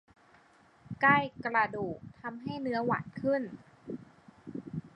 ใกล้กระดูกทำให้เนื้อหวานขึ้น